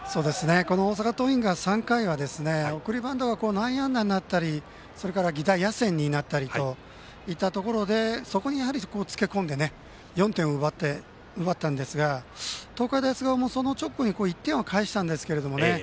この大阪桐蔭が、３回は送りバントが内野安打になったりそれから犠打野選になったりといったところでそこにつけ込んで４点を奪ったんですが東海大菅生も、その直後に１点を返したんですけどもね。